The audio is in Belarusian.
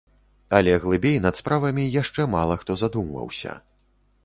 Але глыбей над справамі яшчэ мала хто задумваўся.